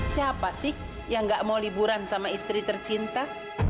siapa sih yang gak mau liburan sama istri tercinta